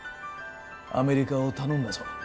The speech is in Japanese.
アメリカを頼んだぞ。